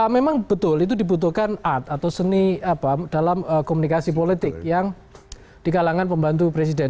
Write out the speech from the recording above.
memang betul itu dibutuhkan art atau seni dalam komunikasi politik yang di kalangan pembantu presiden